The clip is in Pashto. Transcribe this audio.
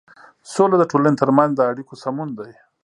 سوله د ټولنې تر منځ د اړيکو سمون دی.